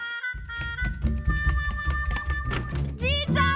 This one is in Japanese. じいちゃん！